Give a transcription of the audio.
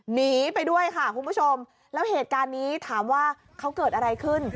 หนีไปด้วยค่ะคุณผู้ชมแล้วเหตุการณ์นี้ถามว่าเขาเกิดอะไรขึ้น